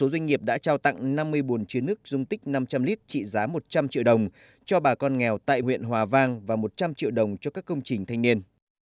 một trăm năm mươi bốn chiến nước dung tích năm trăm linh lít trị giá một trăm linh triệu đồng cho bà con nghèo tại huyện hòa vang và một trăm linh triệu đồng cho các công trình thanh niên